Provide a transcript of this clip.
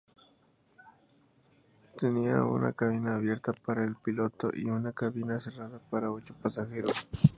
Tenía una cabina abierta para el piloto y una cabina cerrada para ocho pasajeros.